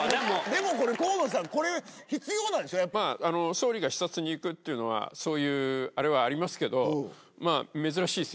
でも河野さん。に行くっていうのはそういうあれはありますけど。